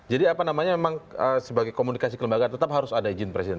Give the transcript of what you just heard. jadi apa namanya memang sebagai komunikasi kelembagaan tetap harus ada izin presiden